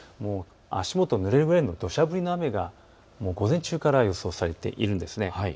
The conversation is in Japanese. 足元がぬれるぐらいのどしゃ降りの雨が午前中から予想されているんです。